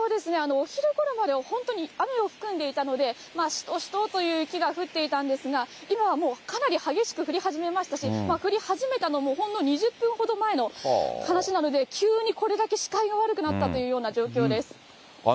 お昼ごろまでは本当に雨を含んでいたので、しとしとって雪が降っていたんですが、今はもうかなり激しく降り始めましたし、降り始めたのもほんの２０分ほど前の話なので、急にこれだけ視界が悪くなったというような状況です。